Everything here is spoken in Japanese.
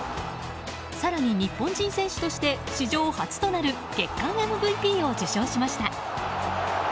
更に、日本人選手として史上初となる月間ＭＶＰを受賞しました。